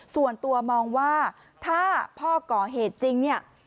ส่วนตัวมองว่าถ้าพ่อกล่าวเหตุจริง